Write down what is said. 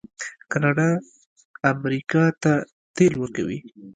کاناډا امریکا ته تیل ورکوي.